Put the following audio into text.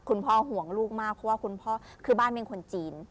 ห่วงลูกมากเพราะว่าคุณพ่อคือบ้านเป็นคนจีน